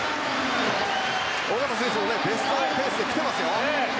小方選手もベストペースで来てますよ。